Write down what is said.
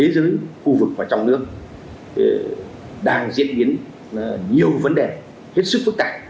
đang diễn biến nhiều vấn đề hết sức phức tạp